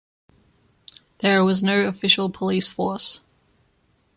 There was no official police force.